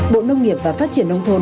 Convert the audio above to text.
bộ nông nghiệp và phát triển nông thôn